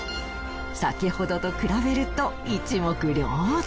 先ほどと比べると一目瞭然。